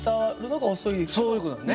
そういう事だね。